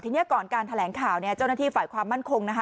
ทีนี้ก่อนการแถลงข่าวเนี่ยเจ้าหน้าที่ฝ่ายความมั่นคงนะคะ